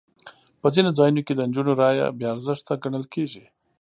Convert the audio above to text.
په ځینو ځایونو کې د نجونو رایه بې ارزښته ګڼل کېږي.